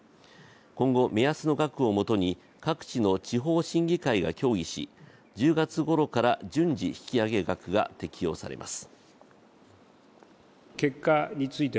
今後、目安の額をもとに各地の地方審議会が協議し、１０月ごろから順次引き上げ額が適用されます。